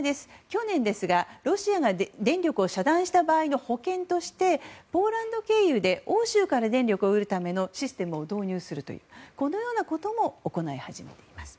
去年ロシアが電力を遮断した時の保険として、ポーランド経由で欧州から電力を得るためのシステムを導入するということも行い始めています。